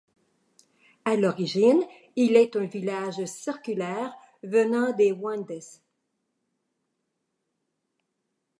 À l'origine, il est un village circulaire venant des Wendes.